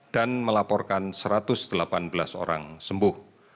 dan melaporkan satu ratus delapan belas orang sembuh